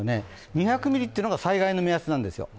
２００ミリというのが災害の目安なんですよ。